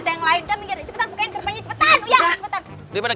ada yang lainnya minggir cepetan bukaan kerbangnya cepetan ya cepetan